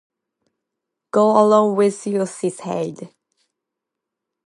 “Go along with you!” she said.